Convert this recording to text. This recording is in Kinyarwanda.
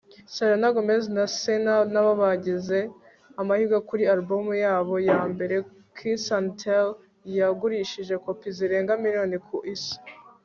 Selena Gomez na Scene nabo bagize amahirwe kuri alubumu yabo ya mbere Kiss and Tell Yagurishije kopi zirenga miliyoni ku isi